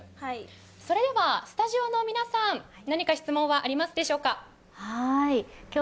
それでは、スタジオの皆さん何か質問はありますか？